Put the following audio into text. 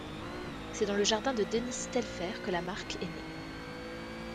C'est dans le jardin de Dennis Telfer que la marque est née.